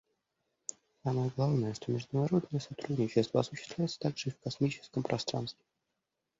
Самое главное, что международное сотрудничество осуществляется также и в космическом пространстве.